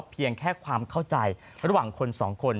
เพียงแค่ความเข้าใจระหว่างคนสองคน